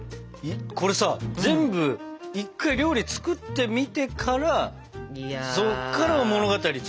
これさ全部一回料理作ってみてからそこから物語作るんだ。